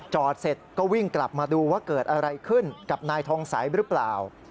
จอดเสร็จก็วิ่งกลับมาดูว่าเกิดอะไรขึ้นกับนายทองสัยหรือเปล่า